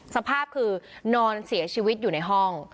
สภาพคือนอนเสียชีวิตอยู่ในห้อง